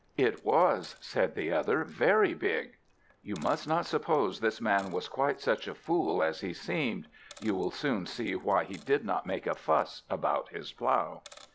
"It was," said the other, "very big." You must not suppose this man was quite such a fool as he seemed. You will soon see why he did not make a fuss about his plough.